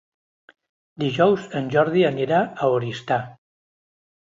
Dijous en Jordi anirà a Oristà.